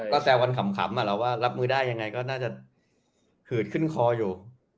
แต่ก็แสดงวันข่ำรับมือได้ยังไงก็น่าจะขืดขึ้นคออยู่